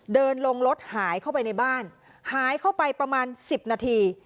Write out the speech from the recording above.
เดินลงรถหายเข้าไปในบ้านหายเข้าไปประมาณ๑๐นาที